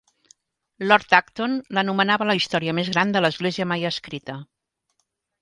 Lord Acton l'anomenava la història més gran de l'església mai escrita.